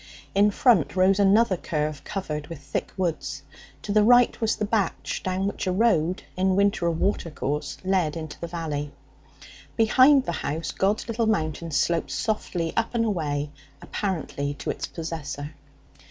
In front rose another curve covered with thick woods. To the right was the batch, down which a road in winter a water course led into the valley. Behind the house God's Little Mountain sloped softly up and away apparently to its possessor.